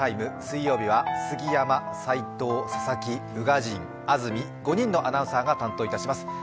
水曜日は杉山、齋藤、佐々木、宇賀神、安住、５人のアナウンサーが担当します。